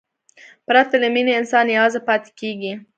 پرته له مینې، انسان یوازې پاتې کېږي.